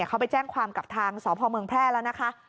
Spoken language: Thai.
เขาไปแจ้งความกับทางสพเมืองแพร่แล้วนะคะ